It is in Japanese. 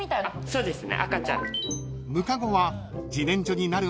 そうですよね。